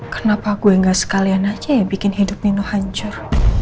kenapa gue gak sekalian aja ya bikin hidup nino hancur